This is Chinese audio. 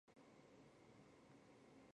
以功迁尚书令。